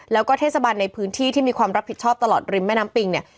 แล้วก็เทศบาลในพื้นที่ที่มีความรับผิดชอบตลอดริมแม่น้ำปิงเนี่ย